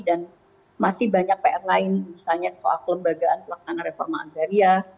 masih banyak pr lain misalnya soal kelembagaan pelaksana reforma agraria